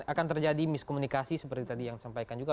akan terjadi miskomunikasi seperti tadi yang disampaikan juga